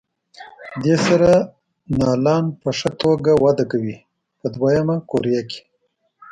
دې سره نیالګي په ښه توګه وده کوي په دوه یمه قوریه کې.